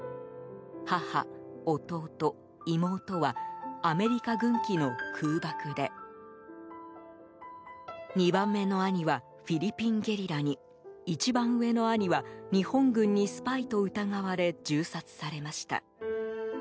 母、弟、妹はアメリカ軍機の空爆で２番目の兄はフィリピンゲリラに一番上の兄は、日本軍にスパイと疑われ銃殺されました。